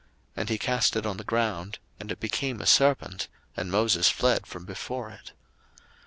And he cast it on the ground, and it became a serpent; and Moses fled from before it.